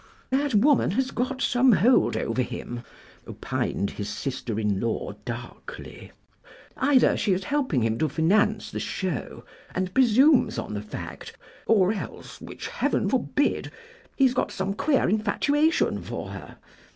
"That woman has got some hold over him," opined his sister in law, darkly; "either she is helping him to finance the show, and presumes on the fact, or else, which Heaven forbid, he's got some queer infatuation for her.